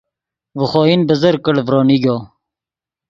ڤے خوئن بزرگ کڑ ڤرو نیگو